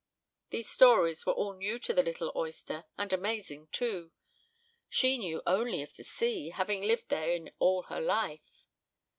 These stories were all new to the little oyster, and amazing, too; she knew only of the sea, having lived therein all her life.